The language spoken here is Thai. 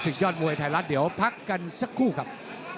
ยอดมวยไทยรัฐเดี๋ยวพักกันสักครู่ครับ